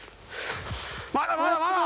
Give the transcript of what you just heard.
まだまだまだ！